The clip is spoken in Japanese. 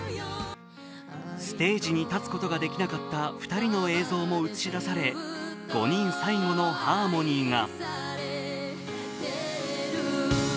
ステージに立つことができなかった２人の映像も映し出され５人最後のハーモニーが。